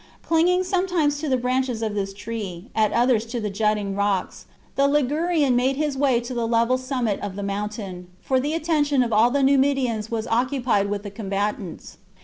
Clinging sometimes to the branches of this tree, at others to the jutting rocks, the Ligurian made his way to the level summit of the mountain, for the attention of all the Numidians was occupied with the combatants.